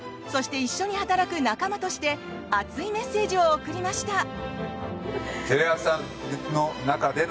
そして、一緒に働く仲間として熱いメッセージを送りました。